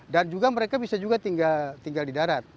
dan juga mereka bisa tinggal di darat